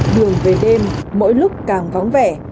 đường về đêm mỗi lúc càng vắng vẻ